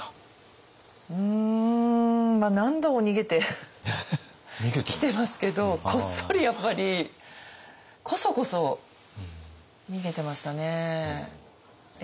うんまあ何度も逃げてきてますけどこっそりやっぱりこそこそ逃げてましたね。